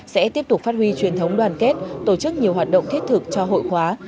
sẽ tiếp tục phát huy truyền thống đoàn kết tổ chức nhiều hoạt động thiết thực cho hội khóa